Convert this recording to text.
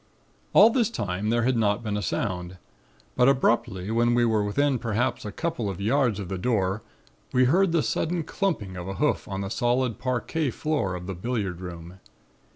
"All this time there had not been a sound, but abruptly when we were within perhaps a couple of yards of the door we heard the sudden clumping of a hoof on the solid parquet floor of the billiard room.